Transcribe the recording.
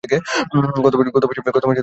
গত মাসে আমার একটা সার্জারি করিয়েছিলাম।